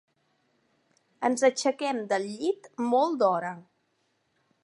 Ens aixequem del llit molt d'hora.